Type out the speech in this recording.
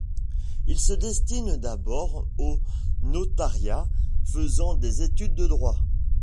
Il se destine d'abord au notariat, faisant des études de droit.